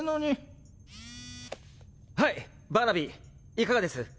いかがです？